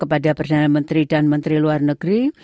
kepada perdana menteri dan menteri luar negeri